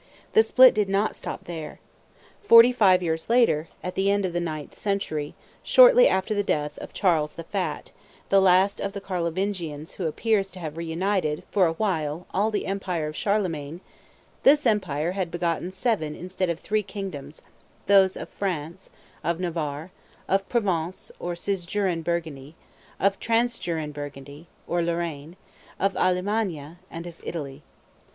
The split did not stop there. Forty five years later, at the end of the ninth century, shortly after the death of Charles the Fat, the last of the Carlovingians who appears to have re united for a while all the empire of Charlemagne, this empire had begotten seven instead of three kingdoms, those of France, of Navarre, of Provence or Cisjuran Burgundy, of Trans juran Burgundy, or Lorraine, of Allemannia, and of Italy.